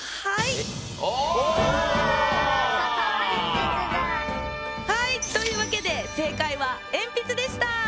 はいというわけで正解はえんぴつでした。